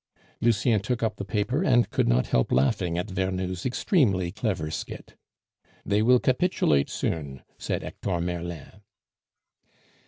Lucien took up the paper, and could not help laughing at Vernou's extremely clever skit. "They will capitulate soon," said Hector Merlin.